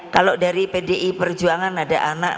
kalau dari pdi perjuangan ada anak